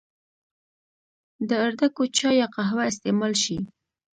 د ادرکو چای يا قهوه استعمال شي